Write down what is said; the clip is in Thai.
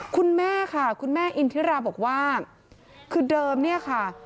คุณแม่ค่ะคุณแม่อินทิราบอกว่าคือเดิมเนี่ยค่ะ